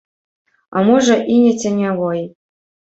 А можа, і не ценявой.